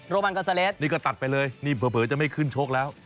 มันก็ซาเลสนี่ก็ตัดไปเลยนี่เผลอจะไม่ขึ้นชกแล้ว